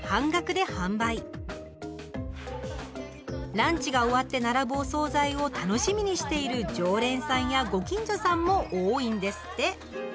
ランチが終わって並ぶお総菜を楽しみにしている常連さんやご近所さんも多いんですって。